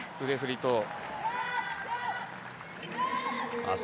腕振りと。